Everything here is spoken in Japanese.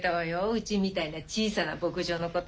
うちみたいな小さな牧場のこと。